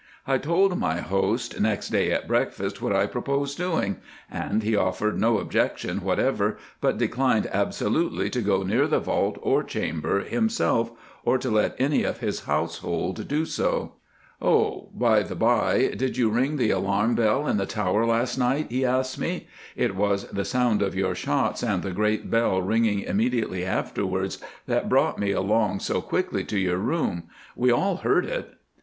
I told my host next day at breakfast what I proposed doing, and he offered no objection whatever, but declined absolutely to go near the vault or chamber himself, or to let any of his household do so. "Oh! by the by, did you ring the alarm bell in the tower last night?" he asked me. "It was the sound of your shots and the great bell ringing immediately afterwards that brought me along so quickly to your room. We all heard it."